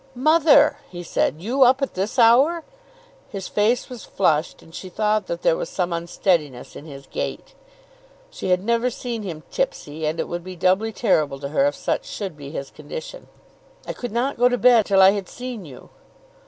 "Mother," he said, "you up at this hour!" His face was flushed, and she thought that there was some unsteadiness in his gait. She had never seen him tipsy, and it would be doubly terrible to her if such should be his condition. "I could not go to bed till I had seen you."